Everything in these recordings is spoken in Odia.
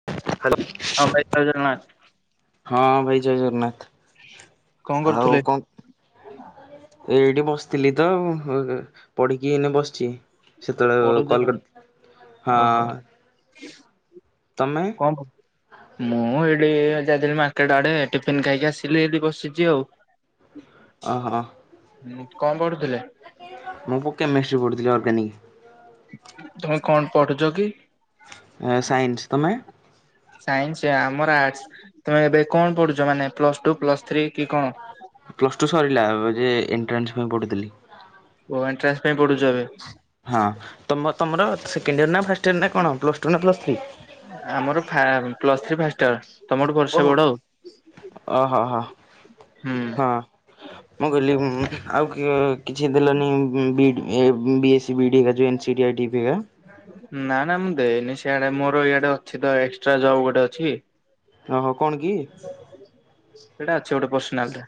[unintelligible] ହଁ ଭାଇ ଜୟ ଜଗନ୍ନାଥ। ହଁ ଭାଇ ଜୟ ଜଗନ୍ନାଥ କଣ ଆଉ କରୁଥିଲେ? ଙ୍କ ଏଇଠି ବସିଥିଲି ତ [unintelligible] ପଢି଼କି ଏଇ ନା ବସିଛି। ସେତେବେଳେ ପଢୁଥିଲେ କଲ୍ କରିଥିଲେ ହଁ, ଓହୋ ତମେ? କଣ କ ମୁଁ ଏଇଠି ଏ ଜାଇଥିଲି ମାର୍କେଟ୍ ଆଡେ। ଟିଫିନ୍ ଖାଇକି ଆସିଲି ଏଇଠି ବସିଛି ଆଉ। ଆହା କଣ ପଢୁଥିଲେ? ମୁଁ ବୁକ୍ କେମିଷ୍ଟ୍ରି ପଢୁଥିଲି ଅର୍ଗାନିକ୍। ତମେ କଣ ପଢୁଛ କି? ସାଇନ୍ସ, ତମେ? ସାଇନ୍ସ, ଆମର ଆର୍ଟସ୍। ତୁମେ ଏବେ କଣ ପଢୁଛ? ମାନେ ପ୍ଲସ୍ ଟୁ, ପ୍ଲସ୍ ଥ୍ରୀ କି କଣ? ପ୍ଲସ୍ ଟୁ ସରିଲା। ଯେ ଏଣ୍ଟ୍ରାନ୍ସ ପାଇଁ ପଢୁଥିଲି। କୋଉ ଏଣ୍ଟ୍ରାନ୍ସ ପାଇଁ ପଢୁଛ ଏବେ? ହଁ ତମ ତମର ସେକେଣ୍ଡ ଇୟର ନା ଫାଷ୍ଟ ଇୟର ନା କଣ? ପ୍ଲସ୍ ଟୁ ନା ପ୍ଲସ୍ ଥ୍ରୀ? ଆମର ଫାର୍ମ ପ୍ଲସ୍ ଥ୍ରୀ ଫାଷ୍ଟ ଇୟର୍। ତମଠୁ ବର୍ଷେ ବଡ ଆଉ। ଓ ହୋ ହୋ ହୁଁ ହଁ, ମୁଁ କହିଲି ଉଁ ଆଉ କିଏ କିଛି ଦେଲନି ଉଁ ଉଁ ବିଡ୍ ଏ ବିଏସି ବିଡ୍ ହରିକା ଯେଉଁ N C T I T ହରିକା? ନାଁ ନାଁ ମୁଁ ଦେଇନି ସିଆଡେ, ମୋର ଇଆଡେ ଅଛି ତ ଏକ୍ସଟ୍ରା ଜବ୍ ଗୋଟେ ଅଛି। ଓହୋ କଣ କି? ସେଇଟା ଅଛି ଗୋଟେ ପର୍ସନାଲଟେ।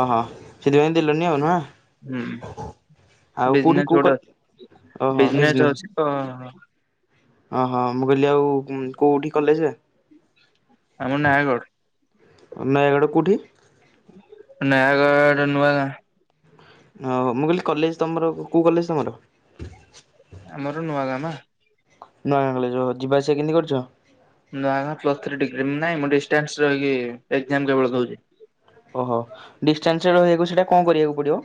ଓହୋ ସେଥିପାଇଁ ଦେଲନି ଆଉ ନା? ହୁଁ ବିଜନେସ୍ କୋଉ କ ଗୋଟେ ଅଛି। ବିଜନେସ୍ ଅଛିତ ଓହୋ ମୁଁ କହିଲି ଆଉ କୋଉଠି କଲେଜ? ଆମ ନୟାଗଡ଼ ନୟାଗଡ଼ କୋଉଠି? ନୟାଗଡ଼ ନୂଆ ଗାଁ। ଓହୋ ମୁଁ କହିଲି କଲେଜ୍ ତମର କୋଉ କଲେଜ୍ ତମର? ଆମର ନୂଆ ଗାଁ ମା। ନୂଆ ଗାଁ ଗଲେ ଯୋଉ ଯିବା ଆସିବା କେମିତି କରୂଛ? Nuagaon plus three degree. ନାହିଁ ମୁଁ ଡିଷ୍ଟାନ୍ସ ରହିକି ଏକ୍ଜାମ୍ କେବେଳ ଦଉଛି। ଓହୋ ଡିଷ୍ଟାନ୍ସ୍ ରେ ରହିବାକୁ, ସେଇଟା କଣ କରିବାକୁ ପଡିବ?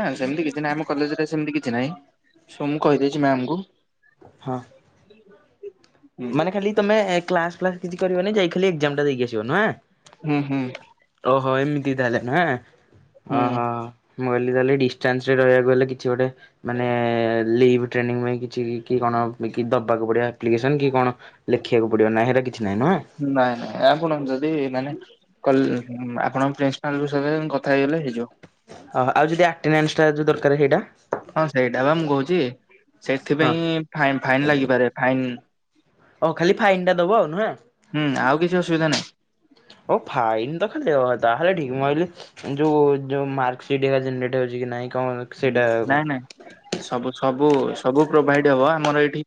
ନା ସେମିତି କିଛି ନାହିଁ, ଆମ କଲେଜରେ ସେମତି କିଛି ନାହିଁ। ସୋ ମୁଁ କହିଦେଇଚି ମ୍ୟାମ୍ ଙ୍କୁ। ହଁ‌। ହୁଁ [unintelligible] ମାନେ ଖାଲି ତମେ କ୍ଲାସ୍ ଫ୍ଲାସ୍ କିଛି କରିବନି, ଯାଇକି ଖାଲି ଏକ୍ଜାମ୍ ଟା ଦେଇକି ଆସିବ। ନୁହେଁ? ହୁଁ ହୁଁ। ଓହୋ ଏମିତି ତାହେଲେ ନୁହେଁ? ହୁଁ ଅହ ମୁଁ କହିଲି ତାହଲେ ଡିଷ୍ଟାନ୍ସ୍ ରେ ରହିବାକୁ ହେଲେ, କିଛି ଗୋଟେ ମାନେ ଲିଭ୍ ଟ୍ରେନିଂ ପାଇଁ କିଛି କି କି କଣ କି ଦବାକୁ ପଡିବ ଆପ୍ଲିକେସନ୍? ଦେନ୍ କି କଣ ଲେଖିବାକୁ ପଡିବ ନା ହେରା କିଛି ନାହିଁ। ନୁହଁ? ନାଇଁ ନାଇଁ ଆପଣ ଯଦି ମାନେ କଲ୍ ଆପଣଙ୍କ ପ୍ରିନ୍ସ ନାଲୁ ସାଙ୍ଗେରେ ମୁଁ କଥା ହେଇଗଲେ ହେଇଯିବ। ଅହ ଆଉ ଯଦି ଆଟେନାନ୍ସ୍ ଟା ଯୋଉ ଦରକାର ହେଇଟା? ହଁ ସେଇଟା ବା ମୁଁ କହୁଚି। ହଁ ସେଥିପାଇଁ ଫାଇନ୍ ଫାଇନ୍ ଲାଗିପାରେ ଫାଇନ୍। ଓଃ ଖାଲି ଫାଇନ୍ ଟା ଦବ ଆଉ। ନୁହେଁ? ହୁଁ, ଆଉ କିଛି ଅସୁବିଧା ନାହିଁ। ଓଃ ଫାଇନ୍ ତ ଖାଲି ଦେବାକଥା ତାହେଲେ ଠିକ୍। ମୁଁ ଭାବିଲି ଯୋଉ ଯୋଉଁ ମାର୍କସିଟ୍ ହେଗା ଜେନେରେଟ୍ ହଉଚି କି ନାଇଁ କଣ? ସେଇଟା କଣ ନାଇଁ ନାଇଁ ସବୁ ସବୁ ସବୁ ପ୍ରୋଭାଇଡ୍ ହବ ଆମର ଏଇ ଟି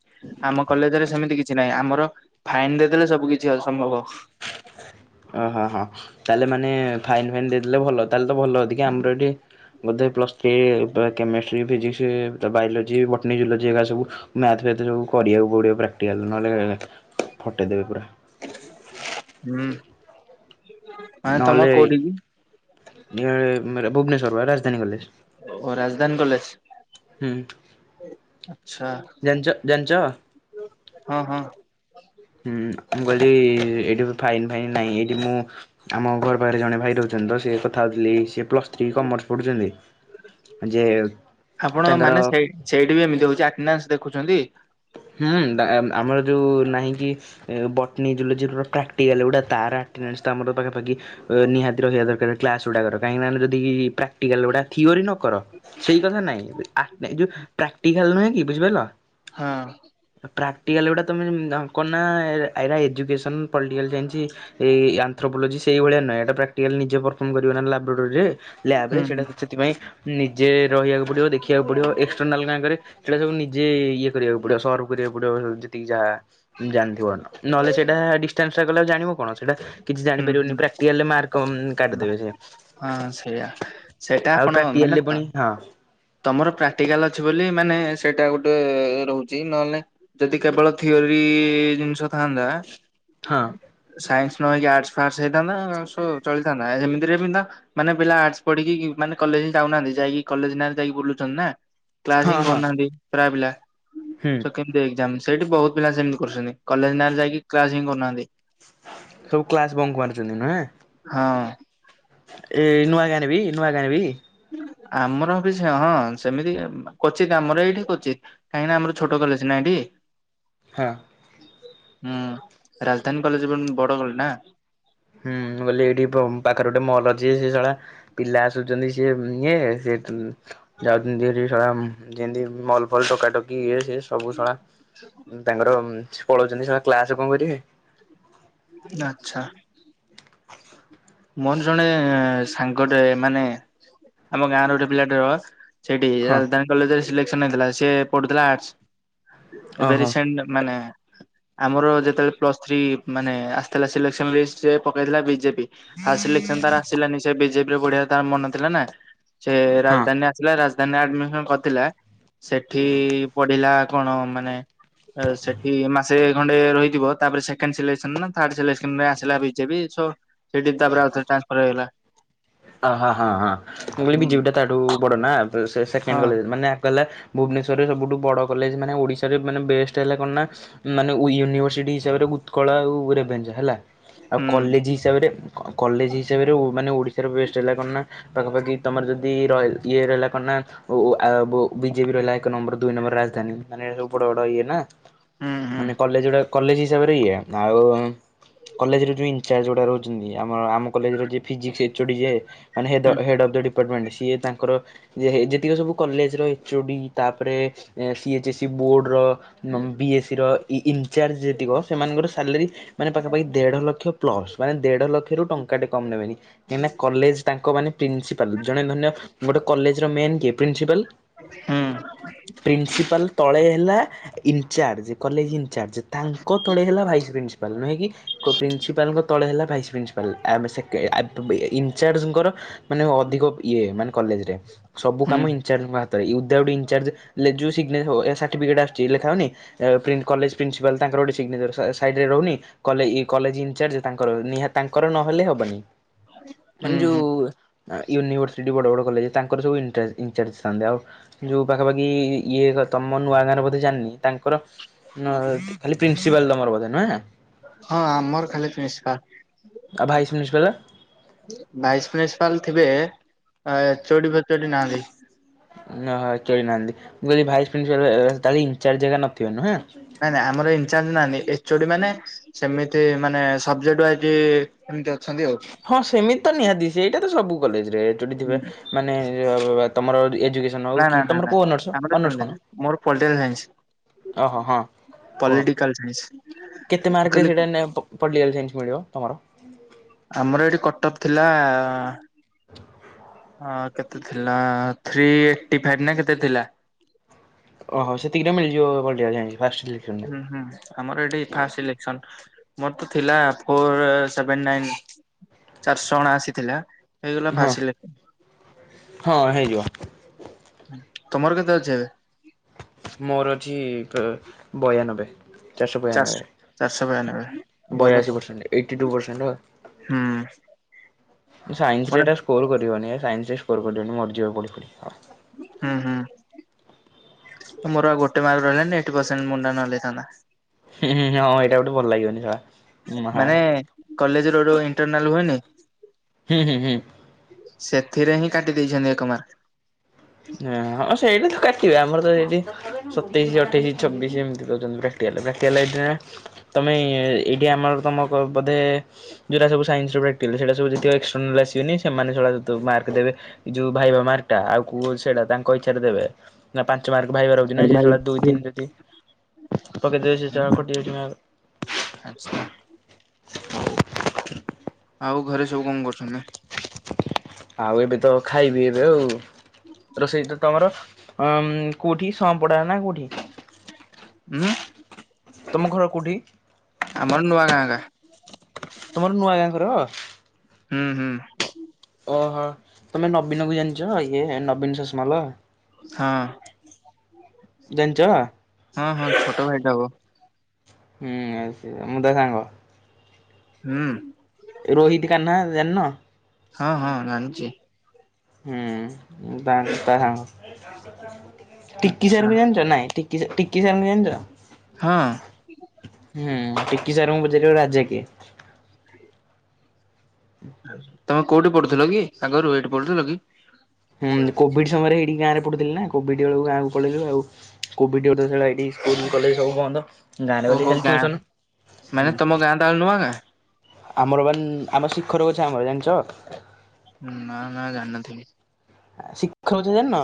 ଆମ କଲେଜରେ ସେମିତି କିଛି ନାହିଁ। ଆମର ଫାଇନ୍ ଦେଇଦେଲେ ସବୁ କିଛି ଅସମ୍ଭବ। ଅ ହ ହଁ ତାହଲେ ମାନେ ଫାଇନ୍ ଫାଇନ୍ ଦେଇଦେଲେ ଭଲ। ତାହେଲେ ତ ଭଲଦିକି ଆମର ଏଠି ବୋଧେ ପ୍ଲସ୍ ଥ୍ରୀ ତ କେମେଷ୍ଟ୍ରି, ଫିଜିକ୍ସ୍ ତ ବାୟୋଲୋଜି, ବଟନି, ଜୁଲୋଜି ଏଗା ସବୁ ମ୍ୟାଥ୍ ବି ଏତେ ଯୋଉ କରିବାକୁ ପଡ଼ିବ ପ୍ରାକ୍ଟିକାଲ ନହେଲେ ଫଟେଇ ଦେବେ ପୁରା। ଉଁ ନହେଲେ ଏଇ [unintelligible] ଭୁବନେଶ୍ୱର ବା ରାଜଧାନୀ କଲେଜ୍। ଓ ରାଜଧାନୀ କଲେଜ୍? ହୁଁ। ଆଚ୍ଛା। ଜାଣିଚ ଜାଣଚ୍ ହଁ ହଁ। ହୁଁ ମୁଁ କହିଲି ଏଇଠି ବି ଫାଇନ୍ ଫାଇନ୍ ନାହିଁ। ଏଇଠି ମୁଁ ଆମ ଘର ପାଖରେ ଜଣେ ଭାଇ ରହୁଚନ୍ତି ତ ସିଏ କଥା ହଉଥିଲେ ସିଏ ପ୍ଲସ୍ ଥ୍ରୀ କମର୍ସ ପଢୁଚନ୍ତି, ଯିଏ ଆପଣ ତାଙ୍କର ମାନେ ସେ ସେଇଠି ବି ଏମିତି ହଉଚି ଆଟନାନ୍ସ୍ ଦେଖୁଛନ୍ତି। ହୁଁ ଡା ଆମର ଯୋଉ ନାହିଁକି ଏ ବଟନି ଜୁଲୋଜି ର ପ୍ରାକ୍ଟିକାଲ୍ ଗୁଡ଼ା ତାର ଆଟନାନ୍ସ ଟା ଆମଡ ପାଖାପାଖି ନିହାତି ରହିବା ଦରକାର୍ କ୍ଲାସ୍ ଗୁଡ଼ାକର କାହିଁ ମାନେ ଯଦି ପ୍ରାକ୍ଟିକାଲ ଗୁଡ଼ା ଥିଓରୀ ନ କର ସେଇ କଥା ନାଇଁ ଆ ନାଇଯୋଉ ପ୍ରାକ୍ଟିକାଲ ନୁହେଁକି ବୁଝିପାଇଲ। ହଁ। ପ୍ରାକ୍ଟିକାଲ୍ ଗୁଡ଼ା ତମେ କରୁନା ଏରା ଏଜୁକେସନ୍, ପଲ୍ଟିକାଲ ସାଇନ୍ସି ଏଇ ଆନ୍ଥ୍ରୋପୋଲୋଜି ସେଇ ଭଳିଆ ନୁହେଁ। ଏଟା ପ୍ରାକ୍ଟିକାଲ ନିଜେ ପର୍ଫମ୍ କରିବ ନା ଲାବ୍ରୋଡୋରି ରେ। ଲ୍ୟାବ୍ ରେ ହୁଁ ସେଟା ହୁଁ। କିଛି ସେଥିପାଇଁ ନିଜେ ରହିବାକୁ ପଡ଼ିବ। ଦେଖିବାକୁ ପଡ଼ିବ। ଏକଷ୍ଟର୍ନାଲ୍ ବ୍ୟାଙ୍କ୍ ରେ ସେଡ଼ା ସବୁ ନିଜେ ଇଏ କରିବାକୁ ଗୁଟେ ସର୍ଟକୁ ଖୋଜିବାକୁ ପଡିବ ଯେତିକି ଯାହା ଜାଣିଥିବ ନ ନହେଲେ ସେଇଟା ଡିଷ୍ଟାନ୍ସ୍ ଟା କଲେ ଆଉ ଜାଣିବ କଣ? କିଛି ହୁଁ ହୁଁ ଜାଣିପାରିବନି ପ୍ରାକ୍ଟିକାଲରେ ମାର୍କ କମ୍ କାଟିଦେବେ ସିଏ। ହଁ ସେଇଆ। ସେଟା ଆପଣ ପ୍ରାକ୍ଟିକାଲରେ ମାନେ ପୁଣି ତ? ହଁ ତମର ପ୍ରାକ୍ଟିକାଲ୍ ଅଛି ବୋଲି ମାନେ ସେଇଟା ଗୋଟେ ରୋହୁଚି। ନହେଲେ ନାଇଁ ଯଦି କେବଳ ଥିଓରି ଜିନିଷ ଥାଆନ୍ତା ହଁ ସାଇନ୍ସ ନ ହେଇକି ଆର୍ଟସ ଫାର୍ସ ହେଇଥାନ୍ତା ସୋ ଚଳିଥାନ୍ତା। ହେମିତିରେ ବିନ୍ଦା ମାନେ ପିଲା ଆର୍ଟସ ପଢ଼ିକି କି ମାନେ କଲେଜ୍ ହିଁ ଯାଉନାହାନ୍ତି। ଜାଇକି କଲେଜ୍ ନାଁ ଯାଇକି ବୁଲୁଛନ୍ତି ନା କ୍ଲାସ୍ ହଁ ହିଁ ହଁ କରୁନାହାନ୍ତି, ପ୍ରାୟ ପିଲା ହୁଁ ସ କିନ୍ତୁ ଏକ୍ସାମ ସେଇଠି ବହୁତ୍ ପିଲା ସେମିତି କରୁଛନ୍ତି। କଲେଜ୍ ନାଁ ରେ ଯାଇକି କ୍ଲାସ୍ ହିଁ କରୁନାହାନ୍ତି। ସବୁ କ୍ଲାସ୍ ବଙ୍କ ମାରୁଛନ୍ତି ନୁହେଁ। ହଁ ଏଇ ନୂଆଗାଁ ରେ ବି ନୂଆଗାଁ ରେ ବି ଆମର ବି ସେ ହଁ ସେମିତି କୋଚି କାମରେ ଏଇଠି କୋଚି। କାହିଁକି ନା ଆମର ଛୋଟ କଲେଜ୍ ନାଁ ହେଟି। ହଁ ହୁଁ ରାଜଧାନୀ କଲେଜ୍ ଏବଂ ବଡ଼ କରେ ନା ହୁଁଁ ବୋଲି ଏଇଠି ପ ପାଖରେ ଗୋଟେ ମଲ୍ ଅଛି। ସେ ଶଳା ପିଲା ଆ ଦଉଚନ୍ତି ସିଏ ଇଏ ସେଠୁ ଯାଉଛନ୍ତି ହେଟି ଏମ୍ ଯେମିତି ମଲ୍ ଫଲ୍ ଟକାଟକି ଇଏ ସେ ସବୁ ଶଳା ତାଙ୍କର ସେ ପଳଉଛନ୍ତି ଶଳା କ୍ଲାସ୍ କଣ କରିବେ। ନାଚ୍ଛା ମୋର ଜଣେ ସାଙ୍ଗଟେ ମାନେ ଆମ ଗାଁ ର ଗୋଟେ ପିଲା ହବ। ସେଠି ହଁ ରାଜଧାନୀ କଲେଜ୍ ରେ ସିଲେକ୍ସନ ହେଇଥିଲା। ସିଏ ପଢୁଥିଲା ଆର୍ଟସ ଏବେ ଓହୋ ରିସେଣ୍ଟ ମାନେ ଆମର ଯେତେବେଳେ ପ୍ଲସ ଥ୍ରି ମାନେ ଆସିଥିଲା ସିଲେକ୍ସନ୍ ଲିଷ୍ଟି ରେ ପକେଇଥିଲା ବିଜେପି। ଫାଷ୍ଟ ସିଲେକ୍ସନ ତାର ଆସିଲାନି ସେ ବିଜେପି ରେ ପଢ଼ିବାକୁ ତାର ମନ ଥିଲାନା ସେ ହଁ। ରାଜଧାନୀ ଆ ରାଜଧାନୀରେ ଆଡମିସନ କରିଥିଲା ସେଠି ପଢିଲା କଣ ମାନେ ସେଠି ମାସେ ଖଣ୍ଡେ ରହିଥିବ ତାପରେ ସେକଣ୍ଡ ସିଲେସନ ନା ଥାର୍ଡ ସିଲେସନ ରେ ଆସିଲା ବିଜେପି ସ ସେଠି ତାପରେ ଆ ଟ୍ରାନ୍ସଫର୍ ହେଇଗଲା ଅ ହ ହଁ ହଁ ମୁଁ କହିଲି ହୁଁ ବିଜେପି ଟା ତାଠୁ ବଡ ନା ସେକେଣ୍ଡ ହଁ କଲେ ମାନେ ଆକୁ ହେଲା ଭୁବନେଶ୍ୱରରେ ସବୁଠୁ ବଡ଼ କଲେଜ ମାନେ ଓଡ଼ିଶାରେ ମାନେ ବେଷ୍ଟ ହେଲା କଣ ନା ମାନେ ୟନି ଭର୍ସସିଟି ହିସାବ ରେ ଉତ୍କଳ ଆଉ ରେଭେନ୍ସା ହେଲା ଆଉ ହୁଁ କଲେଜ ହିସାବରେ କଲେଜ ହିସାବରେ ମାନେ ଓଡ଼ିଶାର ବେଷ୍ଟ ହେଲା କଣ ନା ପାଖାପାଖି ତମର ଯଦି ରଲ ଇଏ ରହିଲା କଣ ନା ବିଜେପି ରହିଲା ଏକ ନମ୍ବର ଦୁଇ ନମ୍ବର ରାଜଧାନୀ ମାନେ ସବୁ ବଡ ବଡ ଇଏ ନା ହୁଁ ହୁଁ ମାନେ କଲେଜ ଗୁଡା କଲେଜ ହିସାବରେ ଇଏ ଆଉ କଲେଜର ଯୋଉଁ ଇନଚାର୍ଜ ଗୁଡା ରହୁଛନ୍ତି ଆମର ଆମ କଲେଜର ଫିଜିକ୍ସ ହେଚ ଓ ଡି ଯିଏ ମାନେ ହେଡ ହୁଁ ଅଫ ଦି ଡିପାର୍ଟମେଣ୍ଟ ସିଏ ତାଙ୍କର ଯେ ଯେତିକି ସବୁ କଲେଜର ଏଚ୍ ଓ ଡ଼ି ତାପରେ ସି ଏଚ୍ ଏସ୍ସି ବୋର୍ଡ଼ର ବି ଏ ସି ର ଇନଚାର୍ଜ ଯେତି କ ସେମାନଙ୍କର ସାଲାରୀ ମାନେ ପାଖାପାଖି ଦେଢ ଲକ୍ଷ ପ୍ଲସ ମାନେ ଦେଢ ଲକ୍ଷ ରୁ ଟଙ୍କା ଟେ କମ ନେବେନି କାହିଁକିନା କଲେଜ ତାଙ୍କ ମାନେ ପ୍ରିନ୍ସିପାଲ ଜଣେ ଧନ୍ୟ ଗୋଟେ କଲେଜର ମେନ୍ କିଏ ପ୍ରିନ୍ସିପାଲ ହୁଁ ପ୍ରିନ୍ସିପାଲ ତଳେ ହେଲା ଇନଚାର୍ଜ କଲେଜ ଇନଚାର୍ଜ ତାଙ୍କ ତଳେ ହେଲା ଭାଇସ୍ ପ୍ରି ନୁହେଁ କି ପ୍ରିନ୍ସିପାଲଙ୍କ ତଳେ ହେଲା ଭାଇସ୍ ପ୍ରିନ୍ସିପାଲ ଆ ଇନଚାର୍ଜଙ୍କର ମାନେ ଅଧିକ ଇଏ ମାନେ କଲେଜରେ ସବୁ ହୁଁ। କାମ ଇଜିଙ୍କ ହାତରେ ୟୁ ଥାଉଟ୍ ଇଞ୍ଚର୍ଜ ଲେଜୁ ସାର୍ଟିଫିକେଟ ଆସୁଛି ଲେଖାହଉନି କଲେଜ ପ୍ରିନ୍ସିପାଲ ତାଙ୍କର ଗୋଟେ ସିଗ୍ନେଚର ସାଇଡ଼ରେ ରହୁନି କଲେଜ ଇନଚାର୍ଜ ତାଙ୍କର ନିହାତି ତାଙ୍କର ନହେଲେ ହବନି ମାନେ ହୁଁ ହୁଁ ଯୋଉ ୟୁନିଭରସିଟି ବଡ ବଡ କଲେଜ ତାଙ୍କର ସବୁ ଇଁଚର୍ଜ ଥାନ୍ତେ ଆଉ ଯୋଉ ପାଖାପାଖି ଇଏ ତମ ନୂଆ ଗାଁରେ ବୋଧେ ଜାଣିନି ତାଙ୍କର ଖାଲି ପ୍ରିନ୍ସିପାଲ ତମର ବୋଧେ ନୁହେଁ ହଁ ଆମର ଖାଲି ପ୍ରିନ୍ସିପାଲ୍ ଆଉ ଭାଇସ ପ୍ରିନ୍ସିପାଲ ଭାଇସ୍ ପ୍ରିନ୍ସିପାଲ୍ ଥିବେ, ଏଚୋଡି ଫେଚଡି ନାହାନ୍ତି। ନା ଏଚଡି ନାହାନ୍ତି। ମୁଁ କହିଲି ଭାଇସ୍ ପ୍ରିନ୍ସିପାଲ୍ ତାର ଇନ୍ଚାର୍ଜ ହାରିକା ନଥିବେ ନୂହେଁ? ନାଇଁ ନାଇଁ ଆମର ଇନ୍ଚାର୍ଜ ନାହାନ୍ତି। ଏଚୋଡି ମାନେ ସେମିତି ମାନେ ସବ୍ଜେକ୍ଟ ୱାଇଜ୍ ଏମତି ଅଛନ୍ତି ଆଉ। ହଁ ସେମିତି ତ ନିହାତି ସେଇଟା ତ ସବୁ କଲେଜ୍ ରେ ଏଚୋଡି ଥିବେ ମାନେ ତମର ଏଜୁକେ ଦେନ୍ ଆଉ ନା ନା କିଏ? ନା ତମର ନା କୋଉ ଅନର୍ସ, ଆମର ଅନର୍ସ ସେମିତି କଣ? ନାହିଁ ମୋର ପଲିଟିକାଲ୍ ଓହୋ ସାଇନ୍ସ। ହଁ କୁହ ପଲିଟିକାଲ୍ ସାଇନ୍ସ। କେତେ ମୁଁ ମାର୍କ ରେ କହିଲି ସେଇଟା ନିଏ ପଲିଟିକାଲ୍ ସାଇନ୍ସ ମିଳିବ ତମର? ଆମର ଏଠି କଟପ୍ ଥିଲା ହଁ କେତେ ଥିଲା, ଥ୍ରୀ ଏଇଟି ଫାଇପ୍ ନା କେତେ ଥିଲା। ଓହୋ, ସେତିକିଟା ମିଳିଯିବ ପଲିଟିକାଲ୍ ସାଇନ୍ସ। ହୁଁ ହୁଁ। ଆମର ଏଠି ଫାଷ୍ଟ ସିଲେକ୍ସନ। ମୋର ତ ଥିଲା ଫୋର ସେଭେନ୍ ନାଇଁନ୍। ଚାରିଶ ଅଣାଅସି ଥିଲା। ହେଇଗଲା ହଁ। ଫାଷ୍ଟ୍ ସିଲେକ୍- ହଁ ହେଇଯିବ ତମର କେତେ ଅଛି ଏବେ? ମୋର ଅଛି କେ ବୟାନବେ। ଚାରିଶହ ଚାରିଶ ବୟାନବେ। ଚାରିଶହ ବୟାନବେ ଭଲ ବୟାଅଶୀ ପର୍ସେଣ୍ଟ, ଏଇଟି ଟୁ ପର୍ସେଣ୍ଟ ଆଉ। ହୁଁ। ସାଇନ୍ସ ରେ ମାନେ ଏଟା ସ୍କୋର୍ କରିବନି। ସାଇନ୍ସ ରେ ସ୍କୋର୍ କରିବନି, ମରିଯିବ ପଢିକି। ହୁଁ ହୁଁ। ମୋର ଆଉ ଗୋଟେ ମାର୍କ ରହିଲାନି ଏଇଟି ପର୍ସେଣ୍ଟ ମୁଣ୍ଡା ମାରିଦେଇ ଥାନ୍ତା। ହେଁ ହେଁ, ହଁ ଏଇଟା ଗୋଟେ ଭଲ ଲାଗିବନି ସଳା। ମାନେ କଲେଜ୍ ରେ ଗୋଟେ ଇଣ୍ଟରନାଲ୍ ହୁଏନି ହୁଁ ହୁଁ ହୁଁ। ସେଥିରେ ହିଁ କାଟି ଦେଇଛନ୍ତି ଏକ ମାର୍କ। ହ ହଁ ସେଇଟା ତ କାଟିବେ ଆମର ତ ସେଇଠି ସତେଇଶ, ଅଠେଇଶି, ଛବିସ୍ ଏମିତି ଦଉଛନ୍ତି ପୁରା। [unintelligible] ତମେ ଏଇଠି ଆମର ତମକୁ ବୋଧେ [unintelligible] ଏ ଯୋଉ ଭାଇବା ମାର୍କ ଟା ଆଉ କୁ ସେଇଟା ତାଙ୍କ ଇଚ୍ଛାରେ ଦେବେ। ନା ପାଞ୍ଚ ମାର୍କ ଭାଇବା ରହୁଛି ନା ସେ ସଳା ଦୁଇ ତିନି ଜଦୀ ପକେଇଦବେ ସେ ସଳା କଟି ଯାଉଛି ମାର୍କ। ଆଛା ହୋଉ। ଆଉ ଘରେ ସବୁ କଣ କରୁଛନ୍ତି? ଆଉ ଏବେ ତ ଖାଇବି ଏବେ ଆଉ। ରୋଷେଇ ତ ତମର ଅଁ, କୋଉଠି ସମ୍ପଡା ନା କୋଉଠି? ଉଁ। ତମ ଘର କେଉଠି? ଆମର ନୂଆଁ ଗାଁ ଏଟା। ତମର ନୂଆ ଗାଁ ଘର? ହୁଁ ହୁଁ। ଓହୋ। ତମେ ନବୀନ ଙ୍କୁ ଜାଣିଛ, ଇଏ ନବୀନ ସଷମାଲ? ହଁ। ଜାଣିଛ ହଁ ହଁ, ଛୋଟ ଭାଇଟେ ହବ। ହୁଁ ମୁଁ ତା ସାଙ୍ଗ। ହୁଁ। ରୋହିତ କାହ୍ନା ଜାଣିନ? ହଁ ହଁ ଜାଣିଛି। ହୁଁ ବା ତା ସାଙ୍ଗ। ଟିକି ଆଚ୍ଛା ସାର୍ ଙ୍କୁ ଜାଣିଛ? ନାଇଁ ଟି ଟିକି ସାର୍ ଙ୍କୁ ଜାଣିଛ? ହଁ। ହୁଁ ଟିକି ସାର୍ ଙ୍କୁ ପଚାରିବ ରାଜା କିଏ? ତମେ କୋଉଠି ପଢୁଥିଲ କି? ଆଗରୁ ଏଇଠି ପଢୁଥିଲ କି? ହୁଁ କୋଭିଡ ସମୟରେ ଏଇଠି ଗାଁରେ ପଡୁଥିଲେ ନା କୋଭିଡ ବେଳକୁ ଗାଁକୁ ପଳେଇଲୁ ଆଉ କୋଭିଡି [unintelligible] ସଳା ଏଇଠି ସ୍କୁଲ କଲେଜ ସବୁ ବନ୍ଦ। ଗାଁରେ ଗଲି ଓହୋ ଖାଲି ଗାଁ ଟିଉସନ। ମାନେ ତମ ଗାଁ ତାହେଲେ ନୂଆ ଗାଁ? ଆମର ବାନ୍ ଆମର ଶିଖରଗୁଚ୍ଛା ଆମର ଜାଣିଛ? ନା ନା ଜାଣିନଥିବେ। ଶିଖର ଗଛ ଜାଣିନ?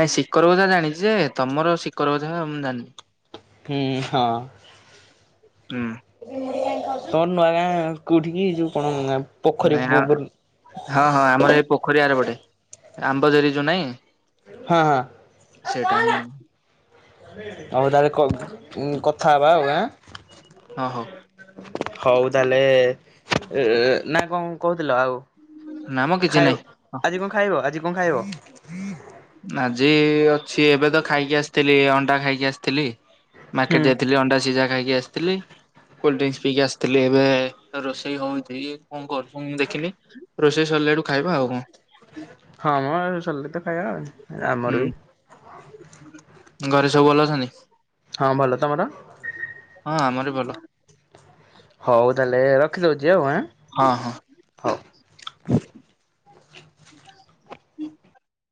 ନାଇଁ ଶିକରକୁ ଜାଣିଛି ଯେ ତମର ଶିକର କଥା ମୁଁ ଜାଣିନି। ହୁଁ ହଁ। ହୁଁ। ତମ ନୂଆ ଗାଁ କୋଉଠିକି ଯଉ କଣ ନା ନାଇଁ ହଁ ହଁ ଆମର ଏଇ ପୋଖରୀ ଆରପଟେ ଆମ୍ବ ଜରି ଯୋଉ ନାଇଁ? ହଁ ହଁ। ସେଇଟା ହିଁ ଆମ ହଉ ତାହେଲେ କ କଥା ହବା ଆଉ ଆ ହଁ ହଉ। ହଉ ତାହେଲେ-ଏ-ଏ-ଏ ଏ -ଏ ନା କହୁଥିଲେଏ ଆଉ ନା ମ କିଛି ଖାଇ ନାଇଁ। ଆଜି କଣ ଖାଇବ ଆଜି କଣ ଖାଇବ? ଆଜି-ଇ-ଇ ଅଛି ଏବେ ତ ଖାଇକି ଆସିଥିଲି ଅଣ୍ଡା ଖାଇକି ଆସିଥିଲି। ହୁଁ ମାର୍କେଟ ଯାଇଥିଲି ଅଣ୍ଡା ସିଝା ଖାଇକି ଆସ୍ ଥିଲି କୋଲ ଡ୍ରିକ୍ସ ପିଇକି ଆସିଥିଲି ଏବେ-ଏ-ଏ ରୋଷେଇ ହଉଛି କଣ କର ଫୋନ୍ ଦେଖିଲି ରୋଷେଇ ସରିଲା ଠୁ ଖାଇବା ଆଉ କଣ। ହଁ ମ ସରିଲେ ତ ଖାଇବା ଆଉ। ଆମର ବି ହୁଁ ଘରେ ସବୁ ଭଲ ଅଛନ୍ତି? ହଁ ଭଲ ତମର? ହଁ ଆମର ବି ଭଲ। ହଉ ତାହେଲେ ରଖିଦଉଛି ଆଉ ଆଁ। ହଁ ହଁ। ହଉ।